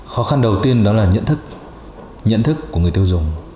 khó khăn đầu tiên đó là nhận thức nhận thức của người tiêu dùng